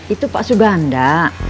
itu pak suganda